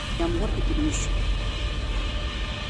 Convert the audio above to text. يامغۇردىكى مۈشۈك